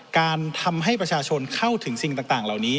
การทำให้ประชาชนเข้าถึงสิ่งต่างเหล่านี้